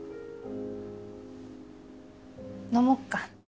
飲もっか。